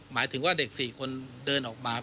หมายถึงว่าเด็ก๔คนเดินออกมา